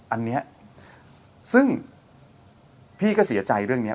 อันนี้ซึ่งพี่ก็เสียใจเรื่องนี้